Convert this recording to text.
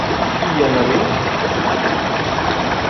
Y Annabel.